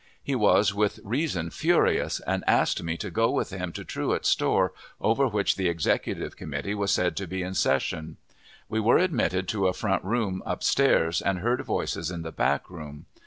He was with reason furious, and asked me to go with him to Truett's store, over which the Executive Committee was said to be in session. We were admitted to a front room up stairs, and heard voices in the back room.